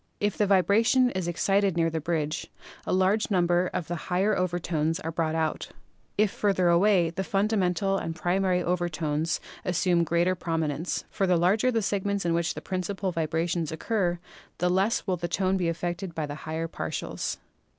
If the vibration is ex cited near the bridge, a large number of the higher over tones are brought out; if farther away the fundamental and primary overtones assume greater prominence, for the larger the segments in which the principal vibrations oc cur the less will the tone be affected by the higher partials.